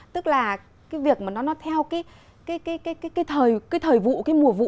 tức là cái việc mà nó theo cái thời vụ cái mùa vụ